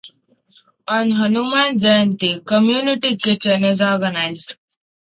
On Hanuman Jayanti community kitchen is organised.